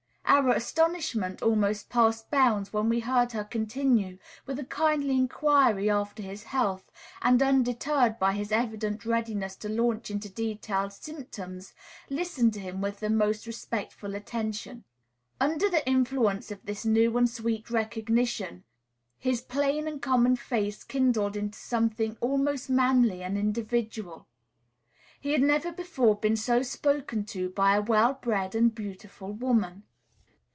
Our astonishment almost passed bounds when we heard her continue with a kindly inquiry after his health, and, undeterred by his evident readiness to launch into detailed symptoms, listen to him with the most respectful attention. Under the influence of this new and sweet recognition his plain and common face kindled into something almost manly and individual. He had never before been so spoken to by a well bred and beautiful woman.